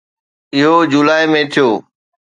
اهو جولاء ۾ ٿيو